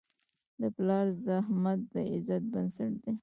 د پلار زحمت د عزت بنسټ دی.